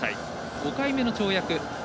５回目の跳躍。